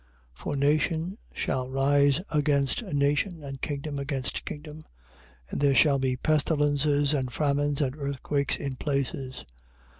24:7. For nation shall rise against nation, and kingdom against kingdom: And there shall be pestilences and famines and earthquakes in places.